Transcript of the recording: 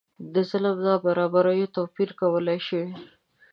د ظلم نابرابریو توپیر کولای شي.